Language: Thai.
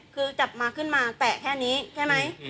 คือจับมาขึ้นมาแตะแค่นี้ใช่ไหม